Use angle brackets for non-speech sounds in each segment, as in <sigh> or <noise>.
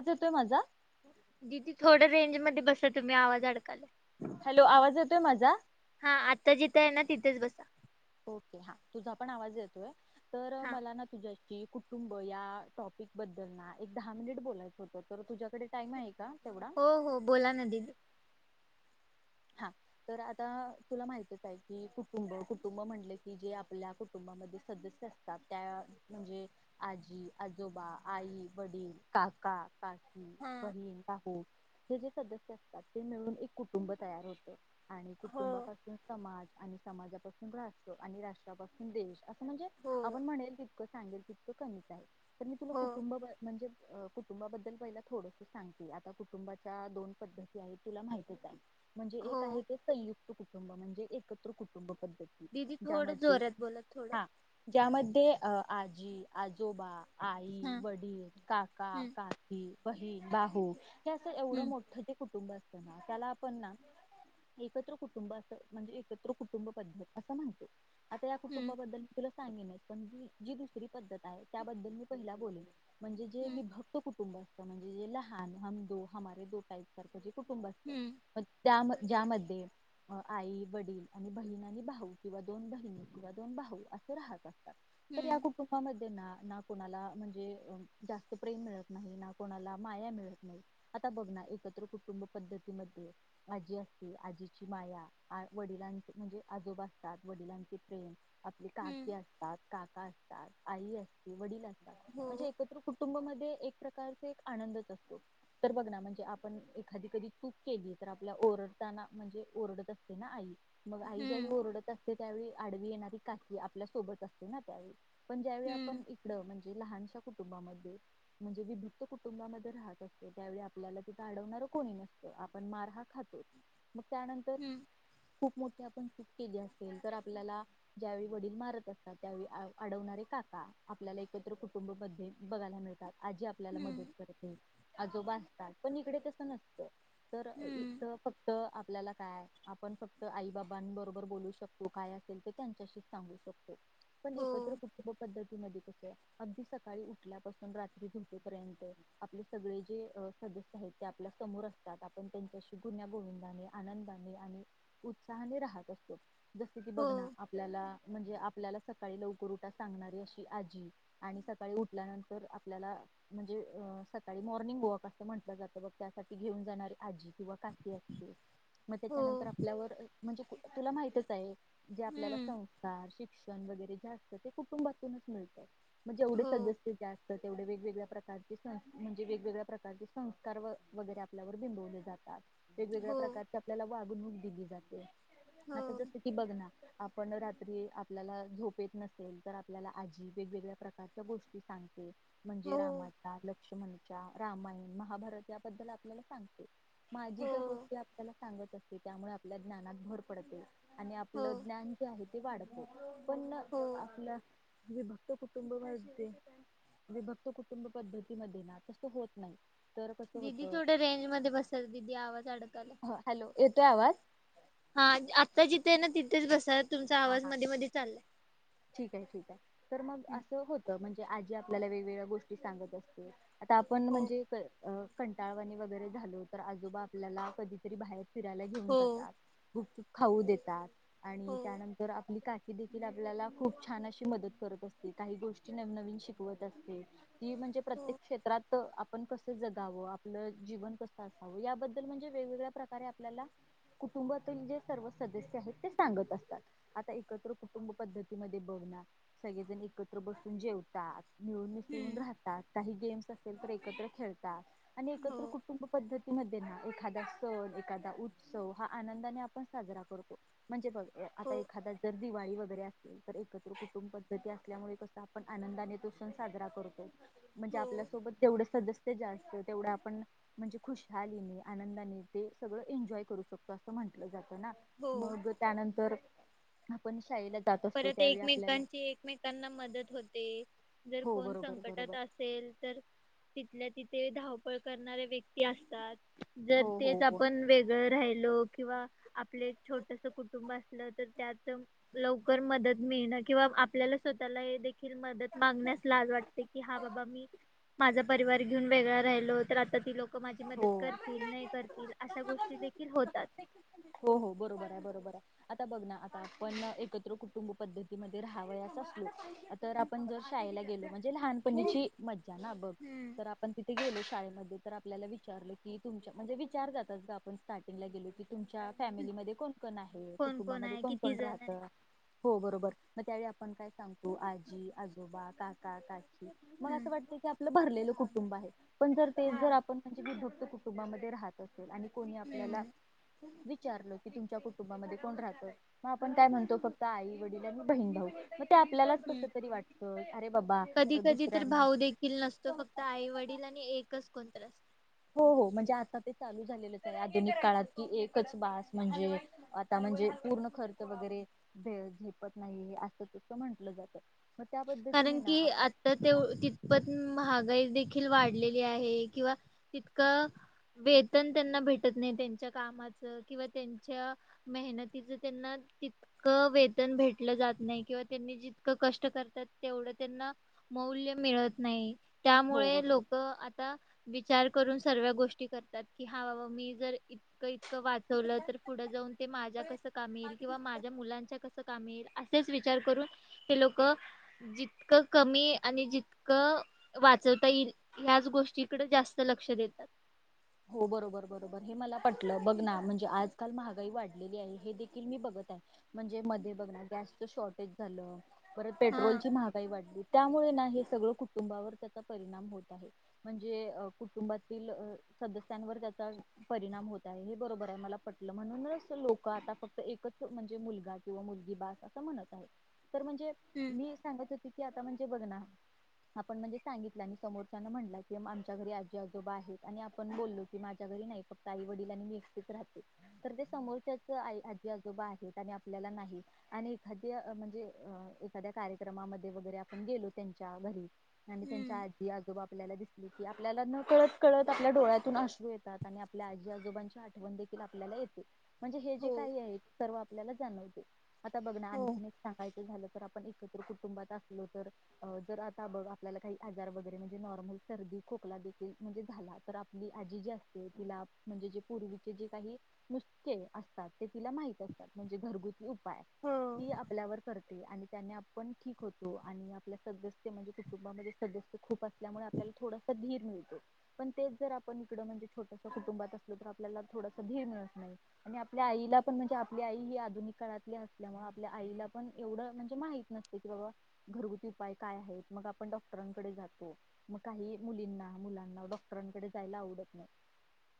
आवाज येतोय माझा. दिदी थोडं रेंज मधे बसा तुम्ही आवाज अडकायला. हॅलो आवाज येतोय माझा? हा आत्ता जिथं आहे ना तिथेच बसा. ओके हा तुझा पण आवाज येतोय. तर हा मला ना तुझ्याशी की कुटुंब या टॉपिक बद्दल ना. एक दहा मिनिट बोलायचं होतं, तर तुझ्याकडे टाइम आहे का? तेवढा हो हो बोला ना दीदी. हा तर आता तुला माहितच आहे की कुटुंब-कुटुंब म्हटलं की जे आपल्या कुटुंबा मध्ये सदस्य असतात, त्या म्हणजे आजी, आजोबा, आई, वडील, का का, काकी, हा बहीण, भाऊ हे जे सदस्य असतात. ते मिळून एक कुटुंब. तयार होत. आणि हो कुटुंबापासून समाज आणि समाजापासून राष्ट्र आणि राष्ट्रापासून देश. देश अस म्हणजे. हो आपण म्हणेल तितकं सांगेल तितकं कमीच आहे. तर मी तुला हो कुटुंब म्हणजे. आ कुटुंबाबद्दल पहिला थोडसं सांगते. आता कुटुंबाच्या दोन पद्धती आहेत तुला माहितच आहे. म्हणजे हो एक आहे ते संयुक्त कुटुंब. म्हणजे एकत्र कुटुंब पद्ध दिदी थोडं जोरात बोला थोडं. त्यामध्ये अ आजी-आजोबा. आई, हा वडील, काका, हम्म काकी, बहीण, बाहू. हे असं एवढं हम्म मोठं जे कुटुंब असतं ना त्याला आ पण ना, एकत्र कुटुंब असं म्हणजे एकत्र कुटुंब पद्धत असं म्हणतो. आता या हम्म कुटुंबाबद्दल मी तुला सांगेनच, पण जी जी दुसरी पद्धत आहे त्याबद्दल मी पहिला बोलेन. म्हणजे जे हम्म विभक्त कुटुंब असतं म्हणजे जे लहान, हम दो हमारे दो टाईप सारखं जे कुटुंब असतं, हम्म मग त्या ज्यामध्ये आई वडील आणि बहीण आणि भाऊ किंवा दोन बहिणी किंवा दोन भाऊ असं राहत अस तात तर या हम्म कुटुंबामध्ये ना ना कोणाला म्हणजे जास्त प्रेम मिळत नाही, ना कोणाला माया मिळत नाही, आता बघ ना एकत्र कुटुंब पद्धतीमध्ये आजी असते आजीची माया, आ‌ वडिलांचे म्हणजे आजोबा असतात, वडिलांचे प्रेम आपले काकी हम्म असतात काका असतात आई असते वडील असतात हो म्हणजे एकत्र कु टुंब मध्ये एक प्रकारचा एक आनंदच असतो, तर बघ ना म्हणजे आपण एखादी कधी चूक केली तर आपल्याला ओरडताना म्हणजे ओरडत असते ना आई, मग आई ज्या हम्म वेळी ओरडत अस ते त्यावेळी आडवी येणारी काकी आपल्या सोबत असते ना त्यावेळी, पण ज्यावेळी आपण हम्म इकडं म्ह जे लहानशा कुटुंबांमध्ये, म्हणजे विभक्त कुटुंबामध्ये राहत असतो त्यावेळी आपल्याला तिथं आडवणारं‌ कोणी नसतं आपण मार हा खातोच, मग त्यानंतर हम्म खुप मोठी आपण चूक केली असेल तर आपल्याला ज्यावेळी वडील मारत असतात त्यावेळी आ अडवणारे काका. हा आपल्याला एकत्र कुटुंब मध्ये बघायला मिळतात. आजी आपल्याला मदत हम्म करते आजोबा असतात, पण इकडे तसं नसतं. तर हम्म इथं फक्त आ पल्याला काय आपण फक्त आई बाबांबरोबर बोलू शकतो काय असेल ते त्यांच्याशीच सांगू शकतो. पण हो एकत्र कुटुंब पद्ध ती मध्ये कसं अगदी सकाळी उठल्यापासुन रात्री झोपेपर्यंत आपले सगळे जे अ <unintelligible> आहेत ते आपल्या समोर असतात. आपण त्यांच्याशी गुण्या गोविंदाने, आनंदाने आणि उत्साहाने राहत असतो. जसं की हो बघ ना आपल्याला म्हणजे, आपल्याला सकाळी लवकर उठा सांगणारी अशी आजी आणि सकाळी उठल्यानंतर आपल्याला म्हणजे, अ सकाळी मॉर्निंग वॉक असं म्हटलं जातं बघ त्यासाठी घेऊन जाणारे आजी किंवा काकी असते मग हो त्याच्यानंतर आपल्यावर म्हणजे. तुला माहितंच आहे जे आपल्याला हम्म संस्कार, शिक्षण वगैरे जे असतं ते कुटुंबातूनच मिळत. म जेवढे हो सदस्य जास्त तर तेवढे वेगवेगळ्या प्रकारचे सं म्हणजे वेगवेगळ्या प्रकारचे संस्कार व वगैरे आपल्यावर बिंबव ले जातात. वेगवेगळ्या हो प्रकारची आपल्याला वागणूक दिली जाते हो आता जसं की बघ ना आपण रात्री आपल्याला झोप येत नसेल तर आपल्याला आजी वेगवेगळ्या प्रकारच्या गोष्टी सांगते. म्हणजे हो रामाचा, लक्ष्मणच्या, रामायण, महाभारत याबद्दल आपल्याला सांगते. म आजी त्या हो गोष्टी आपल्याला सांगत असते त्यामुळे आपल्या ज्ञानात भर पडते. आणि हो आपलं ज्ञान जे आहे ते वाढत पण हो आपलं विभक्त कुटुंब मध्ये विभक्त कुटुंब पद्धतीमध्ये ना तसं होत नाही. तर कसं दिदी होतं थोड रेंज मध्ये बसाल दिदी आवाज अडकायला हॅलो येतोय आवाज? हा आत्ता जिथेय ना तिथेच बसत हा हा ठीक आहे ठीक आहे तर मग असं होत म्हणजे आजी आपल्याला वेगवेगळ्या गोष्टी सांगत असते आता आपण हो म्हणजे अ कंटाळवाणी वगैरे झालो तर आजोबा आपल्याला कधीतरी बाहेर फिरायला घेऊन हो जातात गुपचुप खाऊ देतात आणि हो त्यानंतर आपली काकी देखील आपल्याला खूप छान अशी मदत करत असते काही गोष्टी नवनवीन शिकवत ते ती म्हणजे हो प्रत्येक क्षेत्रात आप आपण कसं जगावं आपलं जीवन कसं असावं याबद्दल म्हणजे वेगवेगळ्या प्रकारे आपल्याला कुटुंबातील जे सर्व सदस्य आहेत ते सांगत अस तात आता एकत्र कुटुंब पद्धती मध्ये बघणा सगळेजण एकत्र बसून जेवतात. मिळून मिसळून हम्म राहतात काही गेम्स असेल तर एकत्र खेळतात. आणि हो एकत्र कुटुंब पद्धतीमध्ये एखादा सण, एखादा उत्सव हा आनंदाने आपण साजरा करतो म्हणजे बघ आता हो एखादा जर दिवाळी वगैरे असेल तर एकत्र कुटुंब पद्धती असल्यामुळे कस आपण आनंदाने तो सण साजरा करतो. म्हणजे हो आपल्यासोबत तेवढं सदस्य ते जास्त तेवढं आपण म्हणजे खुशहालीने, आनंदाने ते सगळं एन्जॉय करू शकतो असं म्हटलं जातं. हो मग त्यानंतर आपण शाळेला जात असतो परत त्यावेळी आपल्याला एकमेकांची एकमेकांना मदत होते. जर हो कोण बरोबर संकटात बरोबर असेल तर तिथल्या तिथे धावपळ करणारे व्यक्ती असतात जर हो हो तेच हो आपण वेगळं राहायच लो किंवा आपले छोटस कुटुंब असलं तर त्यात अ कर मदत मिळण किंवा आपल्याला स्वतःला देखील मदत मागण्यास लाज वाटते की हा बाबा मी माझा परिवार घेऊन वेगळा राहिलो तर आता ती लोक माझी मदत हो करतील नाही करतील अशा गोष्टी देखील होतात. हो हो बरोबर आहे बरोबर आहे. आता बघ ना आता आपण एकत्र कुटुंब पद्धतीमध्ये राहावयास असलो तर आपण जर शाळेला गेलो म्हणजे लहानपणीची मज्जा ना बघ हम्म. तर आपण तिथे गेलो शाळेमध्ये तर आपल्याला विचारलं की तुमच्या म्हणजे विचार जातच आपण स्टार्टिंगला गेलो की तुमच्या फॅमिलीमध्ये कोण कोण कोण आहे कोण कुटुंबामध्ये आहे कोण किती कोण जण राहत आहे. हो बरोबर मग त्यावेळी आपण काय सांगतो आजी, आजोबा, काका, काकी की मग हम्म. असं वाटत की आपलं भरलेलं कुटुंब आहे पण जर ते हम्म जर आपण भक्त कुटुंबामध्ये राहत असेल आणि कोणी आपल्याला हम्म वि विचारल की तुमच्या कुटुंबामध्ये कोण राहत मग आपण काय म्हणतो फक्त आई, वडील आणि बहीण भाऊ मग ते आपल्यालाच कस हम्म. तरी वाटत अरे बाबा कधी कधी दुसऱ्यांना तिला आणि एकच कोणत असते हो हो म्हणजे आता ते चालू झालेलं आधुनिक काळात की एकच बाळ म्हणजे आता म्हण म्हणजे पूर्ण खर्च वगैरे झेपत नाही असं तस म्हंटलं जात, कारण की आता ते तिथपत महागाई देखील, खील वाढलेली आहे किंवा तितकं, वेतन त्यांना भेटत नाही त्यांच्या कामाच किंवा त्यांच्या मेहनतीच त्यांना तितकं वेतन भेटलं जात नाही किंवा त्यांनी जितकं कष्ट कर, तर तेवढं त्यांना मौल्य मिळत नाही हो त्यामुळे बरोबर लोक आता विचार करून सर्व्या गोष्टी करतात की हा बाबा मी जर इतकं इत, वाचवलं तर पुढं जाऊन ते माझ्या कसं कामी येईल किंवा माझ्या मुलांच्या कसं कामी येईल असेच विचार करून हे लोक जितकं कमी आणि जितकं वाचवता येईल ह्याच गोष्टीकड जास्त लक्ष देतात. हो बरोबर बरोबर हे मला पटलं बघ ना म्हणजे आजकाल महागाई वाढलेली आहे हे देखील मी बघत आहे. म्हणजे मध्ये बघ ना गॅसच शॉर्टेज झालं परत हा पेट्रोलची महागाई वाढली त्यामुळे ना सगळ कुटुंबावर त्याचा परिणाम होत आहे म्हणजे कुटुंबातील अ सदस्यांवर त्याचा परिणाम होत आहे हे बरोबर आहे मला पटलं म्हणूनच तर लोक आता फक्त एकच म्हणजे मुलगा किंवा मुली बास अस म्हणत आहे तर म्हणजे हम्म मी सांगत होते की आता म्हणजे म्हणजे बघ ना आपण म्हणजे सांगितल आणि समोरच्यान म्हटल कि आमच्या घरी आजी आजोबा आहेत आणि आम्ही पण बोललो की माझ्या घरी नाही फक्त आई वडिल आणि मी एकटीच राहते तर ते समोरच्याच आई आजी आजोबा आजी आजोबा आहेत आणि आपल्याला नाहीत आणि एखाद्या म्हणजे एखाद्या कार्यक्रमांमध्ये वगैरे आपण गेलो गेलो त्यांच्या घरी हम्म आजी आजोबा आपल्याला दिसली की आपल्याला नकळत कळत आपल्या डोळ्यातून आश्रू येतात आणि आपल्या आजी आजोबांची आठवण देखील आपल्याला येते. म्हणजे हे जे हो काही आहे ते सर्व आपल्याला जाणवते आता बघ ना हो आणखी एक सांगायच <unintelligible> तर आता आपण एकत्र कुटुंबात असलो तर आता बघ आपल्याला काही आजार वगैरे म्हणजे नॉर्मल सर्दी खोकला देखील म्हणजे झाला तर आपली आजी जी असते तिला म्हणजे जे पूर्वीचे जे काही नुस्के असतात ते आजीला माहिती असतात म्हणजे घरगुती उपाय हो ती आपल्यावर करते आणि त्याने आपण ठीक होतो आणि आपल्या सदस्य म्हणजे कुटुंबामध्ये सदस्य खूप असल्यामुळे आपल्याला थोडसा धीर मिळतो पण ते जर आपण इकड म्हणजे छोटस कुटुंबात असलो तर आपल्याला थोडासा धीर मिळत नाही आणि आपल्या आईला पण म्हणजे आपली आई ही आधुनिक काळातली असल्यामुळे आपल्या आईला पण एवढं म्हणजे माहित नसते की बाबा घरगुती उपाय काय आहे मग आपण डॉक्टरांकडे जातो मग काही मुलींना मुलांना डॉक्टरांकडे जायला आवडत नाही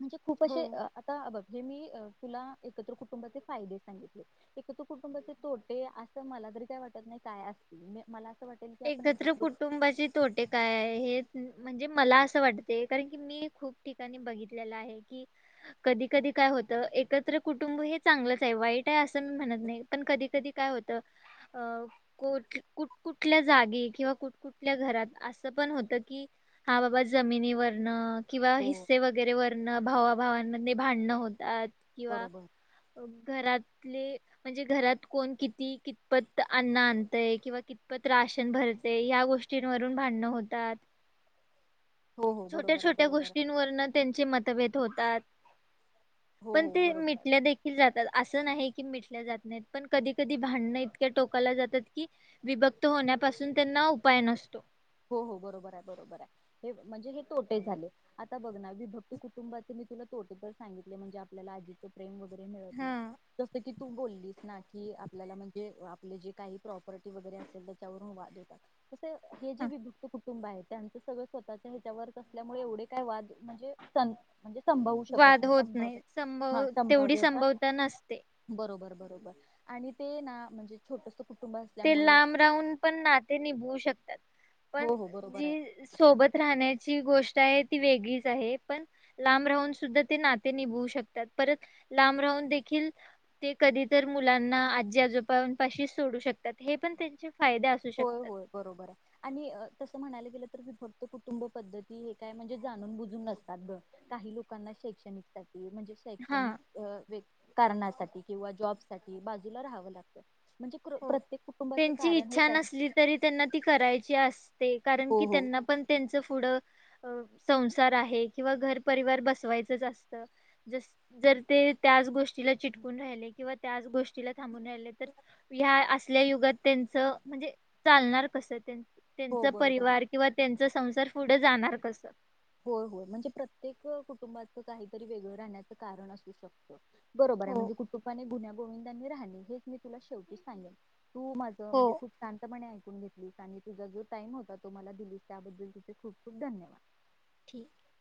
म्हणजे खूप हो अशे आता बघ जे मी तुला एकत्र कुटुंबाचे फायदे सांगितले एकत्र कुटुंबाचे तोटे अस मला मला तर काय वाटत नाही काय आहे म्हणजे मला वाटेल की आपण एकत्र कुटुंबाचे तोटे काय आहे हे म्हणजे मला असं वाटते कारण की मी खूप ठिकाणी बघितलेलं आहे की कधी कधी काय होत एकत्र कुटुंब हे चांगलंच आहे वाईट आहे असं मी म्हणत नाही पण कधी कधी काय होत अ को कुठ कु कुठल्या जागी किंवा कुठ कुठल्या घरात असं पण होतं कि हा बाबा जमिनीवरन किंवा हो हिस्से वगैरे वरणं भावाभावांमध्ये भांडणं होतात. किंवा बरोबर घरात म्हणजे घरात कोण किती कितपत अन्न आणतय किंवा किंवा पत राशन भरते या गोष्टींवरून भांडणं होतात. हो हो छोट्या बरोबर आहे छोट्या बरोबर आहे गोष्टींवरन त्यांचे मतभेद होतात. हो पण हो ते बरोबर आहे मिटल्या देखील जातात अस नाही कि मिटल्या जात नाहीत पण कधी कधी भांडणं इतक्या टोकाला जातात की विभक्त होण्यापासून त्यांना उपाय नसतो. हो हो बरोबर आहे बरोबर आहे हे म्हणजे हे तोटे झाले आता बघ ना विभक्त कुटुंबातील तिने तोटे तर सांगितले म्हणजे आपल्याला आजीच प्रेम वगैरे मिळत हा नाही जसं की तू बोललीस ना की आपल्याला म्हणजे आपले जे काही प्रॉपर्टी वगैरे असेल त्याच्यावरून वाद होेतात. कुठं. हे जे हा. विभक्त कुटुंब आहे, त्यांचं सगळं स्वतःच्या ह्याच्यावरच असल्यामुळे एवढे काय वाद म्हणजे स म्हणजे संभावू शकत वाद नाही होत संभाव्य संभव हा तेवढी संभाव्यता संभवता नसते. बरोबर. बरोबर आणि ते ना म्हणजे छोटसं. ते लाब राहून पण नाते निभवू शकतात पण हो हो बरोबर आहे जी सोबत राह राहण्याची जी गोष्ट आहे, ती वेगळीच आहे, पण लांब राहून सुद्धा ते नाते निभावू शकतात परं लांब राहून देखील ते कधी तर मुलांना आजी आजोबांपाशी सोडू शकत त्यात हे पण त्यांची. होय होय बरोबर आहे, आणि तसं म्हणायला गेलं विभक्त कुटुंब पद्धती हे काय म्हणजे जाणून बुजून नसतात ग, काही लोकांना शैक्षणिकच. म्हणजे हा शैक्षणिक आ व्यक् कारणासाठी किंवा जॉब साठी बाजूला राहावं लागतं. म्हणजे प्रत्येक कुटुंबाच त्यांची कारण हे! इच्छा काय नसली तरी त्यां ती करायची असते कारण हो की, हो त्यांना पण त्यां पुढं. संसार आहे, किंवा घरपरिवार बसवायचंच असत जस जर ते त्यात. गोष्टीला चिटकून राहि किंवा त्याच गोष्टीला. थांबून रा तर ह्या असल्या युगात त्यांच म्हणजे चालणार कस त्यांच. हो त्यांचा बरोबर आहे. परिवार किंवा त्यांचा संसार पुढे जाणार कस? हो हो म्हणजे प्रत्येक कुटुंबाच काहीतरी वेगळं राहण्याचं कारण असू शकत. बरोबर आहे, हो म्हणजे कुटुंबाने गुन्ह्या गोविंदांनी राहणे हेच मी तुला शेवटी सांगेल. तू माझं हो म्हणजे खूप शांतपणे ऐक घेतली आणि तुझा जो टाइम होता, तो मला दिलीस त्याबद्दल तुझ खूप खूप धन्यवाद. ठीक आहे.